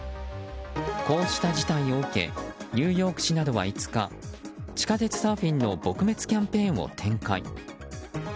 こうした事態を受けニューヨーク市などは５日地下鉄サーフィンの撲滅キャンペーンを展開。